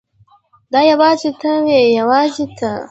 دا یوازې ته وې یوازې ته.